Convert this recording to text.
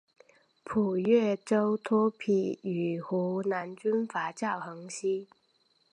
赴岳州托庇于湖南军阀赵恒惕。